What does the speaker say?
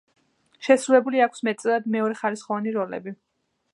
შესრულებული აქვს მეტწილად მეორეხარისხოვანი როლები.